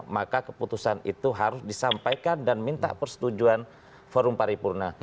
maka keputusan itu harus disampaikan dan minta persetujuan forum paripurna